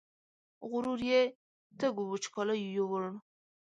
غرور یې تږو وچکالیو یووړ